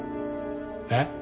えっ？